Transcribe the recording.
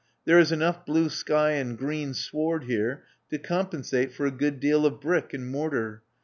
"There is enough blue sky and green sward here to com pensate for a good deal of brick and mortar.